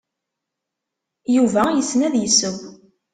Yuba yessen ad yesseww.